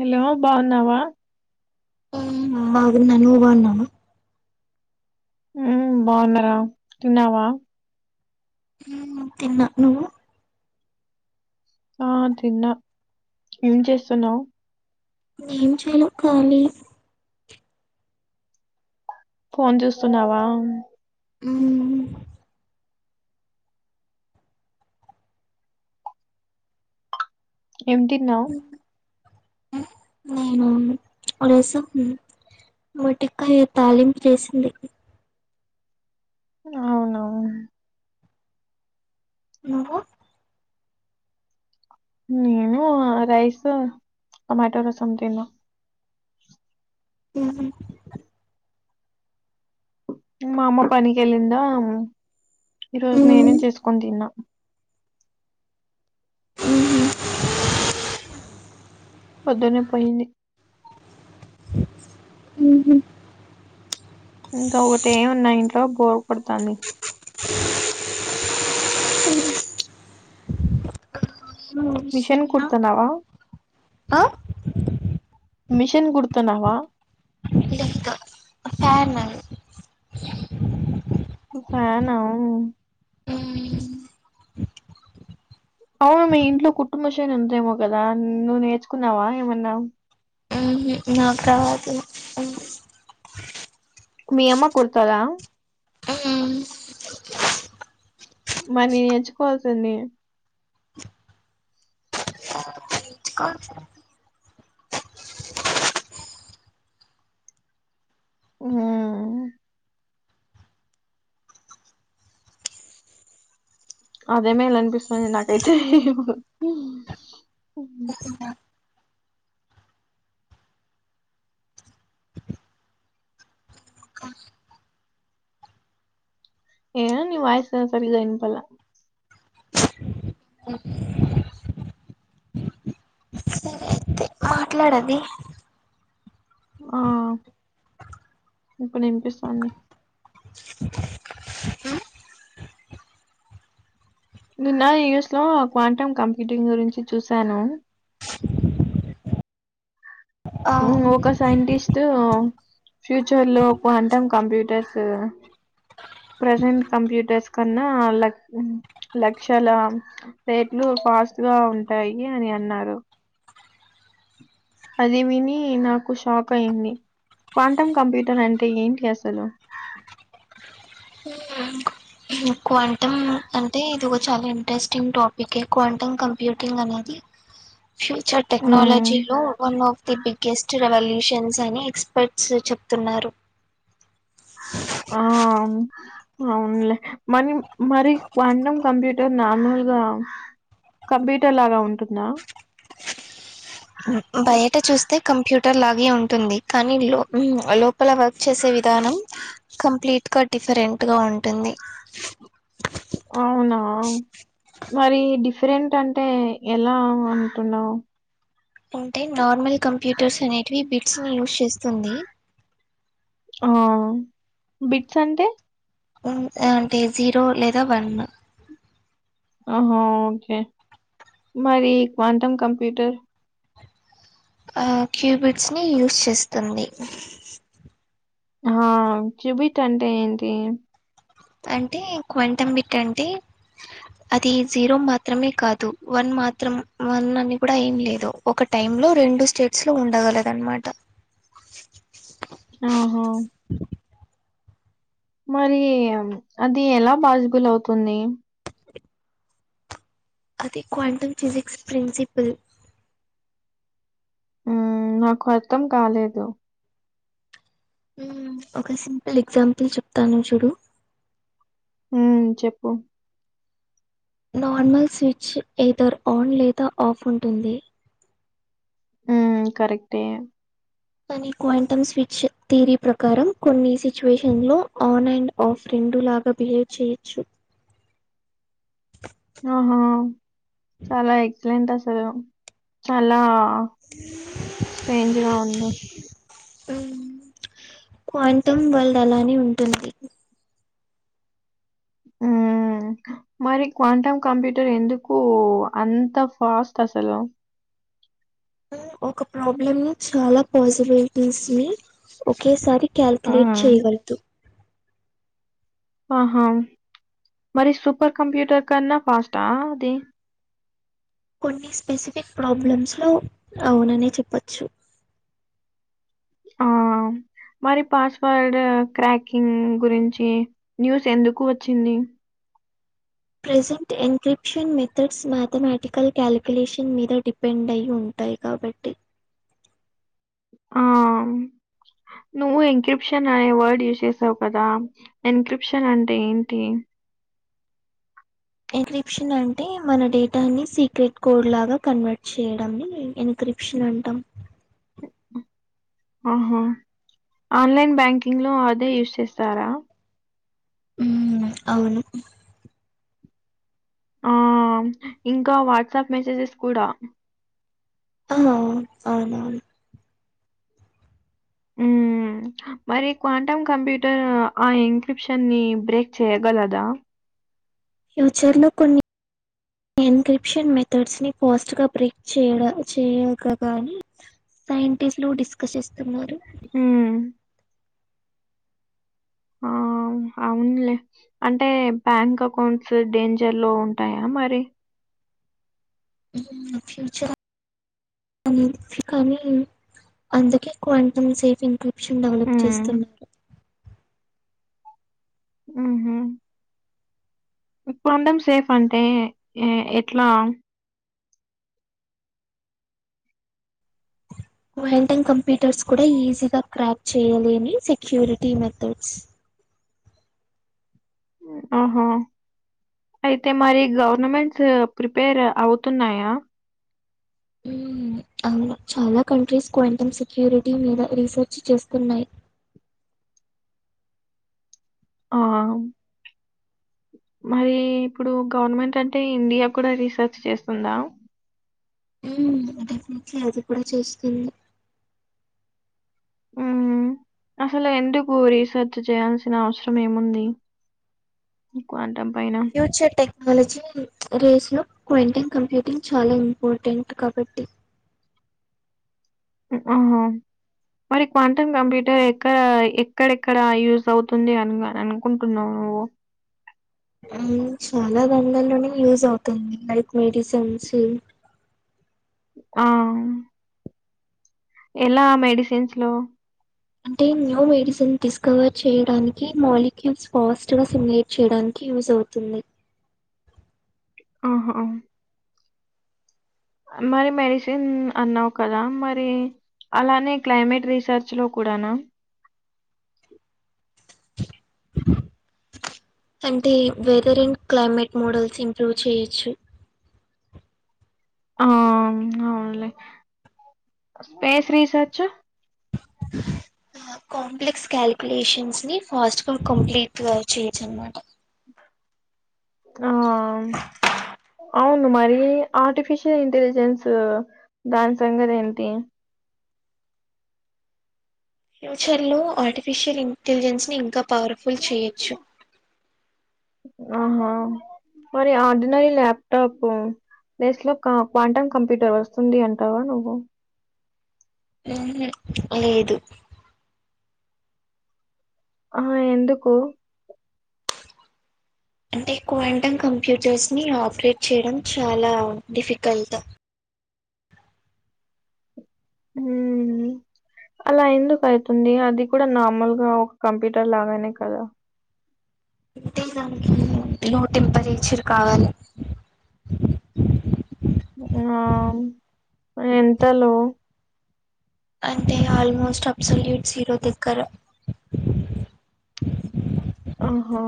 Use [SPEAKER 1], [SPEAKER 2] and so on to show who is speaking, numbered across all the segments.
[SPEAKER 1] Hello బావున్నావా
[SPEAKER 2] బాగున్నా నువ్ బావున్నవా
[SPEAKER 1] ఉమ్ బావున్నరా తిన్నావా
[SPEAKER 2] ఉమ్ తిన్నా నువ్వు
[SPEAKER 1] ఆ తిన్నా ఏం చేస్తున్నవ్
[SPEAKER 2] ఏం చేను కాలీ
[SPEAKER 1] ఫోన్ జూస్తున్నావా
[SPEAKER 2] ఉమ్
[SPEAKER 1] ఏం తిన్నావ్
[SPEAKER 2] నేనా రసం మట్టిక్కాయ తాలింప్ జేసింది
[SPEAKER 1] ఆ
[SPEAKER 2] నువ్వు
[SPEAKER 1] నేనూ రైసు టమాటో రసం తిన్న అ మా అమ్మ పనికెళ్ళిందా ఈరోజ్ నేనే చేస్కోన్ తిన్నా
[SPEAKER 2] ఊ హుమ్
[SPEAKER 1] పొద్దున్నే పోయింది
[SPEAKER 2] ఊ హూ
[SPEAKER 1] ఇంక ఒటే ఉన్న ఇంట్లో బోర్ కొడ్తాంది మిషన్ కుడ్తున్నవా
[SPEAKER 2] ఆ
[SPEAKER 1] మిషన్ గుడ్తన్నావా
[SPEAKER 2] లేదు ఫ్యాను
[SPEAKER 1] ఫ్యానా అవునా మీ ఇంట్లో కుట్టు మిషన్ ఉందేమో కదా నువ్వు నేర్చుకున్నావ ఏమన్న
[SPEAKER 2] నాకు రాదు
[SPEAKER 1] మీ అమ్మ కుడతద
[SPEAKER 2] హు
[SPEAKER 1] మరీ నేర్చుకోవాల్సింది
[SPEAKER 2] క
[SPEAKER 1] ఉ అదేమే [unintelligible] అనిపిస్తది నాకైతే ఏదో నీ వాయిస్ ఏ సరిగ [unintelligible]
[SPEAKER 2] అ అయితే మాట్లాడది
[SPEAKER 1] ఆ ఇప్పుడు ఇనిపిస్తది
[SPEAKER 2] అక
[SPEAKER 1] నిన్న [unintelligible] యస్ లో క్వాంటమ్ కంప్యూటింగ్ గురించి చూశాను
[SPEAKER 2] ఆ
[SPEAKER 1] ఒక సైంటిస్ట్ ఫ్యూచర్ లో క్వాంటం కంప్యూటర్ సు ప్రసెంట్ కంప్యూటర్స్ కన్న ల లక్షల రేట్లు ఫాస్ట్గా ఉంటాయి అని అన్నారు అది విని నాకు షాక్ అయ్యింది క్వాంటమ్ కంప్యూటర్ అంటే ఏంటి అసలు
[SPEAKER 2] హ క్వాంటమ్ అంటే ఇది ఒక చాల ఇంట్రెస్టింగ్ టెస్టింగ్ క్వాంటమ్ కంప్యూటింగ్ అనేది ఫ్యూచర్ టెక్నాలజీ
[SPEAKER 1] హ్మ్.
[SPEAKER 2] లో one of the [unintelligible] guest revolutions అని ఎక్స్పర్ట్స్ చెప్తున్నారు
[SPEAKER 1] ఆ అవునులే మరి మరి క్వాంటం కంప్యూటర్ నార్మల్గ కంప్యూటర్ లాగ ఉంటుంద
[SPEAKER 2] బయట చూస్తే కంప్యూటర్ లాగే ఉంటుంది కానీ లో లో ల వర్క్ చేసే విధానం కంప్లీట్గా డిఫరెంట్గా ఉంటుంది
[SPEAKER 1] అవునా మరి డిఫరెంట్ అంటే ఎలా అంటున్నావ్
[SPEAKER 2] అంటే నార్మల్ కంప్యూటర్స్ అనేటివి బిడ్స్ ని యూస్ చేస్తుంది
[SPEAKER 1] ఆ బిట్స్ అంటే
[SPEAKER 2] అంటే జీరో లేదా వన్
[SPEAKER 1] ఆహ ఓకే మరి క్వాంటమ్ కంప్యూటర్
[SPEAKER 2] ఆ క్యూబిట్స్ ని యూస్ చేస్తుంది
[SPEAKER 1] ఆ క్యూబిట్ అంటే ఏంటి
[SPEAKER 2] అంటే క్వాంటం బిట్ అంటే అది జీరో మాత్రమే కాదు వన్ మాత్రం వన్ అని కూడ ఏం లేదు ఒక టైమ్ లో రెండు స్టేట్స్ లో ఉండగలదు అనమాట
[SPEAKER 1] ఆహ మరి అది ఎలా పాసిబుల్ అవుతుంది
[SPEAKER 2] అది క్వాంటమ్ ఫిజిక్స్ ప్రిన్సిపుల్
[SPEAKER 1] ఉమ్ నాకు అర్థం కాలేదు
[SPEAKER 2] ఒక సింపుల్ ఎగ్జాంపుల్ చెప్తాను చూడు
[SPEAKER 1] ఉమ్ చెప్పు
[SPEAKER 2] నార్మల్ స్విచ్ ఏదర్ ఆన్ లేదా ఆఫ్ ఉంటుంది
[SPEAKER 1] ఉమ్ కరెక్టే
[SPEAKER 2] కానీ క్వాంటమ్ స్విచ్ థీరీ ప్రకారం కొన్ని సిచ్యువేషన్స్ లో ఆన్ అండ్ ఆఫ్ రెండు లాగా బిహేవ్ చేయొచ్చు
[SPEAKER 1] ఆహా చాలా ఎక్సలెంట్ అసలు చాలా స్ట్రేంజ్ గా ఉంది
[SPEAKER 2] క్వాంటమ్ వరల్డ్ అలానే ఉంటుంది
[SPEAKER 1] ఉమ్ మరి క్వాంటమ్ కంప్యూటర్ ఎందుకు అంత ఫాస్ట్ అసలు
[SPEAKER 2] ఒక ప్రాబ్లమ్ ని చాలా పాసిబిలిటీస్ ని ఒకేసారి
[SPEAKER 1] ఆ!
[SPEAKER 2] కాల్కుులేేట్ చేయగలుగుతుంది
[SPEAKER 1] ఆహా మరి సూపర్ కంప్యూటర్ కన్నా ఫాస్టా అది
[SPEAKER 2] కొన్ని స్పెసిఫిక్ ప్రాబ్లమ్స్ లో అవుననే చెప్పొచ్చు
[SPEAKER 1] ఆ మరి పాస్వర్డ్ క్రాకింగ్ గురించి న్యూస్ ఎందుకు వచ్చింది
[SPEAKER 2] present encryption methods mathematical calculation మీద డిప్ పెండ్ అయ్యి ఉంటాయి కాబట్టి
[SPEAKER 1] ఆ నువ్వు ఎన్క్రిప్షన్ అనే వర్డ్ యూజ్ చేసావు కదా ఎన్క్రిప్షన్ అంటే ఏంటి
[SPEAKER 2] ఎన్క్రిప్షన్ అంటే మన డేటాని సీక్రెట్ కోడ్ లాగా కన్వర్ట్ చేయడంని ఎన్క్రిప్ ప్షన్ అంటాం
[SPEAKER 1] ఆహా ఆన్లైన్ బ్యాంకింగ్ లో అదే యూజ్ చేస్తారా
[SPEAKER 2] ఉ అవును
[SPEAKER 1] ఆ! ఇంకా వాట్సాప్ మెసేజెస్ కూడా
[SPEAKER 2] అ అవునవును
[SPEAKER 1] ఉ మరి క్వాంటమ్ కంప్యూటర్ ఆ ఇన్క్రిప్షన్ ని బ్రేక్ చేయ్యగలదా
[SPEAKER 2] ఫ్యూచర్ లో కొన్ని ఎన్క్రిప్షన్ మెథడ్స్ ని ఫాస్ట్గా బ్రేక్ చేయ చేయగాలనీ సైంటిస్ట్లు డిస్కస్ చేస్తున్నారు
[SPEAKER 1] ఉ ఆ! అవునులే అంటే బ్యాంక్ అకౌంట్స్ డేంజర్ లో ఉంటాయా మరి
[SPEAKER 2] ఫ్యూచర్ అంతే కానీ అందుకే క్వాంటం సేఫ్ ఇన్క్రిప్షన్ డెవలప్ చేస్తున్నారు
[SPEAKER 1] ఉహు క్వాంటం సేఫ్ అంటే ఎట్లా
[SPEAKER 2] క్వారంటైన్ కంప్యూటర్స్ కూడా ఈజీగా క్రాక్ చేయలేని సెక్యూరిటీ మెథడ్స్
[SPEAKER 1] ఆహా అయితే మరి గవర్నమెంట్స్ ప్రిపేర్ అవుతున్నాయా
[SPEAKER 2] అవును చాలా కంట్రీస్ క్వాంటం సెక్యూరిటీ మీద రీసెర్చ్ చేస్తున్నాయి
[SPEAKER 1] ఆ మరి ఇప్పుడు గవర్నమెంట్ అంటే ఇండియా కూడా రీసెర్చ్ చేస్తుందా?
[SPEAKER 2] కే అది కూడా చేస్తుంది
[SPEAKER 1] ఉ అసలు ఎందుకు రీసెర్చ్ చేయాల్సిన అవసరం ఏముంది? క్వాంటం పైన
[SPEAKER 2] ఫ్యూచర్ టెక్నాలజీ రేస్లో క్వాంటం కంప్యూటింగ్ చాలా ఇంపార్టెంట్ కాబట్టి.
[SPEAKER 1] ఆహ మరి క్వాంటం కంప్యూటర్ ఎక్కడ ఎక్కడెక్కడ యూజ్ అవుతుంది అన్ అనుకుంటున్నావు నువ్వు?
[SPEAKER 2] ఆ చాలా రంగాల్లోను యూజ్ అవుతుంది లైక్ మెడిసిన్స్
[SPEAKER 1] ఆ ఎలా మెడిసన్స్ లో
[SPEAKER 2] అంటే న్యూ మెడిసిన్ డిస్కవర్ చేయడానికి, మాలిక్యూల్స్ ఫాస్ట్ గా సిలేట్ చేయడానికి యూజ్ అవుతుంది.
[SPEAKER 1] ఆహ మరి మెడిసిన్ అన్నావ్ కదా మరి అలానే క్లైమేట్ రీసెర్చ్ లో కూడానా?
[SPEAKER 2] అంటే weather and climate models improve చేయొచ్చు
[SPEAKER 1] ఆ అవున్లె. స్పేస్ రీసర్చ్
[SPEAKER 2] కాంప్లెక్స్ కాలిక్యులేషన్స్ ని ఫాస్ట్ గా కంప్లీట్ గా చేయొచ్చు అనమాట.
[SPEAKER 1] ఆ అవున్ మరీ ఆర్టిఫిషియల్ ఇంటెలిజెన్స్ దాని సంగతి ఏంటి?
[SPEAKER 2] ఫ్యూచర్ లో ఆర్టిఫిషియల్ ఇంటెలిజెన్స్ ని ఇంకా పవర్ఫుల్ చేయొచ్చు.
[SPEAKER 1] ఆహా మరి ఆర్డినరీ ల్యాప్టాపు ప్లేస్ లో క్వాంటమ్ కంప్యూటర్ వస్తుంది అంటావా నువ్వు?
[SPEAKER 2] ఉహు లేదు
[SPEAKER 1] ఆ ఎందుకు?
[SPEAKER 2] అంటే క్వాంటమ్ కంప్యూటర్స్ ని ఆపరేట్ చేయడం చాలా డిఫికల్ట్.
[SPEAKER 1] ఊ అలా ఎందుకు అయితుంది? అది కూడా నార్మల్ గా ఒక కంప్యూటర్ లాగానే కదా?
[SPEAKER 2] అంటే దానికి లో టెంపరేచర్ కావాలి.
[SPEAKER 1] ఆ ఎంత లో?
[SPEAKER 2] అంటే ఆల్మోస్ట్ అబ్సొల్యూట్ జీరో దగ్గర
[SPEAKER 1] ఆహ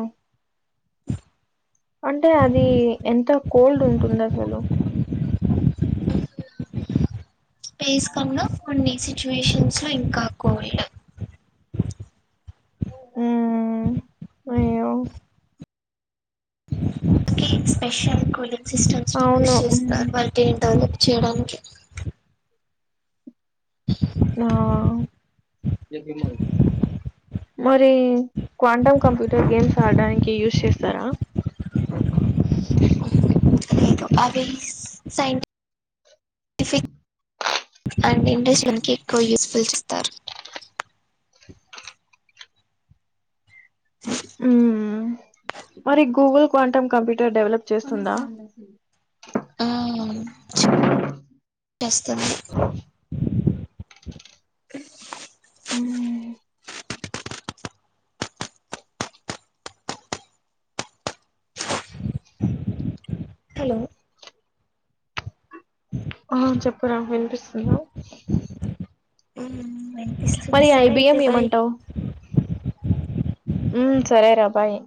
[SPEAKER 1] అంటే అది ఎంత కోల్డ్ ఉంటుంది అసలు
[SPEAKER 2] స్పేస్ కన్నా కొన్ని సిచ్యుయేషన్స్ లో ఇంకా కోల్డ్
[SPEAKER 1] ఉ అయ్యో
[SPEAKER 2] కి స్పెషల్ కూలింగ్ సిస్టమ్స్ ని యూస్
[SPEAKER 1] అవును
[SPEAKER 2] చేస్తారు
[SPEAKER 1] మ్మ్.
[SPEAKER 2] వాటిని డెవలప్ చేయడానికి. అ
[SPEAKER 1] నా మరీ క్వాంటమ్ కంప్యూటర్ గేమ్స్ ఆడడానికి యూజ్ చేస్తారా? అ
[SPEAKER 2] అవి సైంట్ టిఫిక్ అండ్ ఇండస్ట్రీకి ఎక్కువ యూస్ఫుల్ చెస్తారు
[SPEAKER 1] ఉ మరి గూగుల్ క్వాంటమ్ కంప్యూటర్ డెవలప్ చేస్తుందా
[SPEAKER 2] ఆ చేస్తుంది
[SPEAKER 1] మ్
[SPEAKER 2] హలో
[SPEAKER 1] ఆ చెప్పరా వినిపిస్తుంది
[SPEAKER 2] అ వినిపిస్తూ
[SPEAKER 1] మరి ఐబియ్యం ఏమంటావు మ్ సరే రాబాయ్